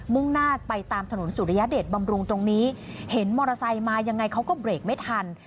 ่งหน้าไปตามถนนสุริยเดชบำรุงตรงนี้เห็นมอเตอร์ไซค์มายังไงเขาก็เบรกไม่ทัน